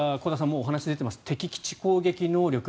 もうお話に出ています敵基地攻撃能力。